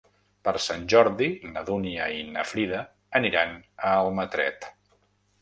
Per Sant Jordi na Dúnia i na Frida aniran a Almatret.